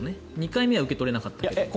２回目は受け取れなかったけど。